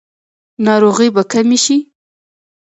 ناروغۍ به کمې شي؟